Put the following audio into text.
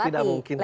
oh tidak mungkin